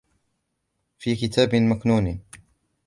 فِي كِتَابٍ مَّكْنُونٍ